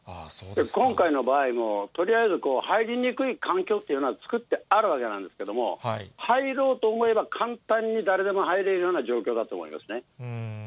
今回の場合も、とりあえず入りにくい環境っていうのは作ってあるわけなんですけども、入ろうと思えば、簡単に誰でも入れるような状況だと思いますね。